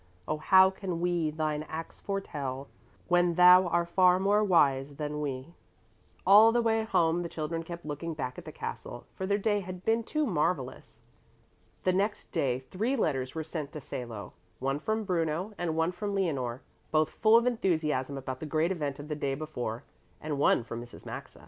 Oh how can we Thine acts foretell, When Thou are far more wise than we? All the way home the children kept looking back at the castle, for their day had been too marvellous. The next day three letters were sent to Salo, one from Bruno and one from Leonore, both full of enthusiasm about the great event of the day before; and one from Mrs. Maxa.